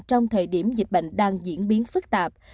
trong thời điểm dịch bệnh đang diễn biến phức tạp